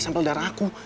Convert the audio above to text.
sampel darah aku